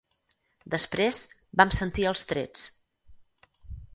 Després, vam sentir els trets.